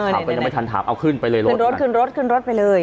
ก็ยังไม่ทันถามเอาขึ้นไปเลยเหรอขึ้นรถขึ้นรถขึ้นรถไปเลย